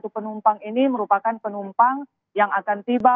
empat empat ratus satu penumpang ini merupakan penumpang yang akan tiba